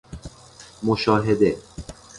مشاهده